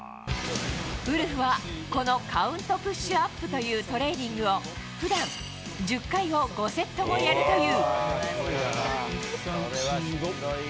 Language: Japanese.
ウルフはこのカウントプッシュアップというトレーニングを普段、１０回を５セットもやるという。